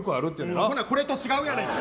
ほなこれと違うやねん。